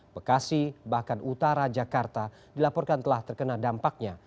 bekasi bahkan utara jakarta dilaporkan telah terkena dampaknya